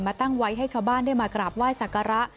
ตั้งไว้ให้ชาวบ้านได้มากราบไหว้สักการะ